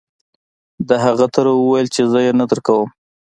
د هغه تره وويل چې زه يې نه درکوم.